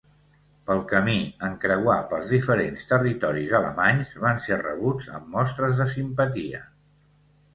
Pel camí, en creuar pels diferents territoris alemanys, van ser rebuts amb mostres de simpatia.